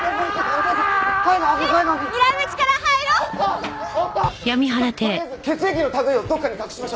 お義父さん！ととりあえず血液の類いをどっかに隠しましょう。